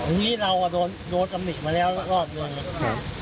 คุณนี้เราโดนตำนิดมาแล้วรอบหนึ่ง